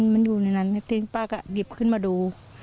มันอยู่ในนั้นทีนี้ป้าก็หยิบขึ้นมาดู